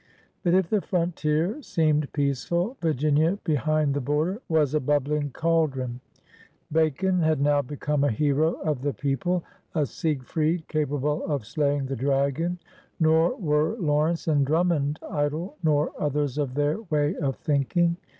But, if the frontier seemed peaceful, Virginia be hind the border was a bubbling cauldron. Bacon 174 REBELUON AND CHANGE 175 had now become a hero of the people, a Signed capable of slaying the dragon. Nor were Lawrence and Drummond idle, nor others of their way of thinking.